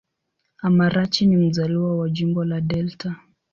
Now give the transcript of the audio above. Amarachi ni mzaliwa wa Jimbo la Delta.